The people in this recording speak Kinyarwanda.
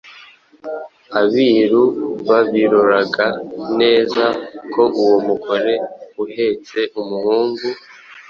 Abiru babiroraga neza Ko uwo mugore uhetse umuhungu